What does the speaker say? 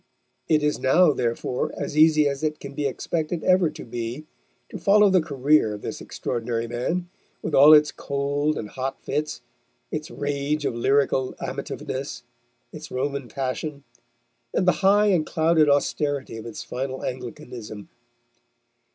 It is now, therefore, as easy as it can be expected ever to be to follow the career of this extraordinary man, with all its cold and hot fits, its rage of lyrical amativeness, its Roman passion, and the high and clouded austerity of its final Anglicanism.